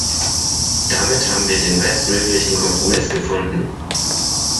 Damit haben wir den bestmöglichen Kompromiss gefunden.